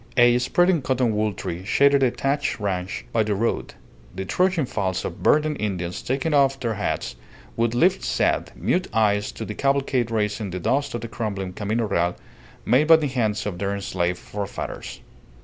A spreading cotton wool tree shaded a thatched ranche by the road; the trudging files of burdened Indians taking off their hats, would lift sad, mute eyes to the cavalcade raising the dust of the crumbling camino real made by the hands of their enslaved forefathers.